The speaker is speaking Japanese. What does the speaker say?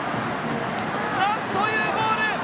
なんというゴール！